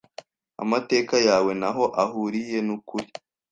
Amateka yawe ntaho ahuriye nukuri.